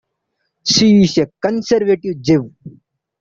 She is a Conservative Jew.